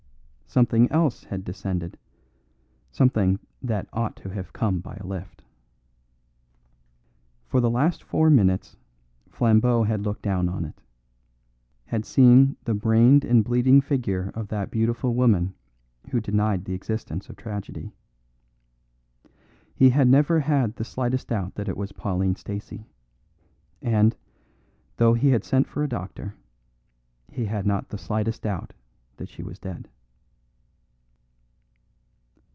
Something else had descended; something that ought to have come by a lift. For the last four minutes Flambeau had looked down on it; had seen the brained and bleeding figure of that beautiful woman who denied the existence of tragedy. He had never had the slightest doubt that it was Pauline Stacey; and, though he had sent for a doctor, he had not the slightest doubt that she was dead.